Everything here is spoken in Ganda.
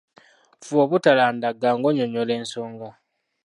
Fuba obutalandagga ng'onyonnyola ensonga.